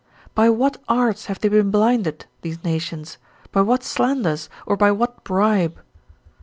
By what arts have they been blinded, these nations; by what slanders, or by what bribe?